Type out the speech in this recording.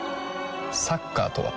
サッカーとは？